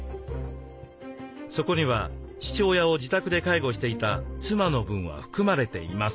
そこには父親を自宅で介護していた妻の分は含まれていません。